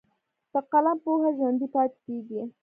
په قلم پوهه ژوندی پاتې کېږي.